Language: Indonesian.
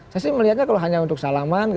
saya sih melihatnya kalau hanya untuk salaman